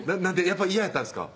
やっぱり嫌やったんすか？